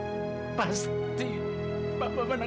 pak maman doain nona seperti gimana pak maman sendiri